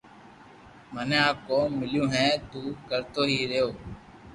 مني آ ڪوم ميليو ھي تو ڪرتو ھي رھيو